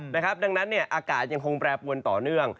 ดังนั้นอากาศยังคงแปรปวนต่อเนื่อง